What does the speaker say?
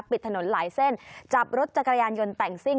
ปิดถนนหลายเส้นจับรถจักรยานยนต์แต่งซิ่ง